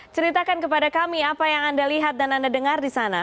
ceritakan kepada kami apa yang anda lihat dan anda dengar di sana